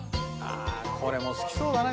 これも好きそうだな